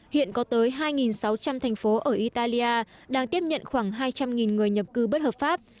hiện có tới hai sáu trăm linh thành phố ở italia đang tiếp nhận khoảng hai trăm linh người nhập cư bất hợp pháp